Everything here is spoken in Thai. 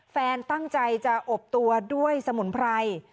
แฟนตั้งใจจะอบตัวด้วยสมุนไพร